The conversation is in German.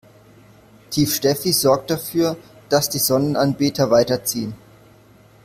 Tief Steffi sorgt dafür, dass die Sonnenanbeter weiterziehen.